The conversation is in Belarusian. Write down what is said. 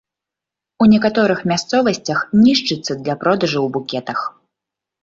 У некаторых мясцовасцях нішчыцца для продажу ў букетах.